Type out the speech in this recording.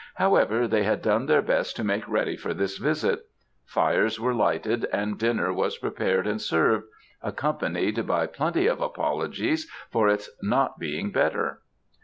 However, they had done their best to make ready for this visit; fires were lighted, and dinner was prepared and served, accompanied by plenty of apologies for its not being better.